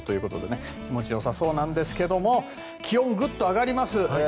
気持ちよさそうですが気温がぐっと上がります。